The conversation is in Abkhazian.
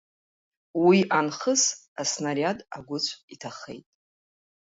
Уи анхыс, аснариад агәыцә иҭахеит.